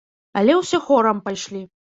Але ўсе хорам пайшлі.